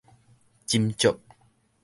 斟酌